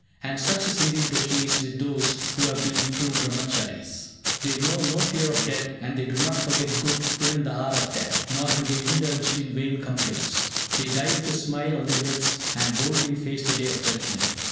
And such is indeed the case with those who have been true Brahmacharies. They know no fear of death, and they do not forget good even in the hour of death; nor do they indulge in vain complaints. They die with a smile on their lips, and boldly face the day of judgment.